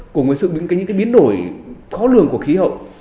cùng với những biến đổi khó lường của khí hậu